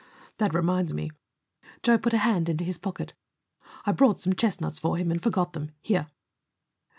"That reminds me," Joe put a hand into his pocket, "I brought some chestnuts for him, and forgot them. Here."